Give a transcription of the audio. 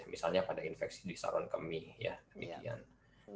misalnya pada infeksi di sarun kemih demikian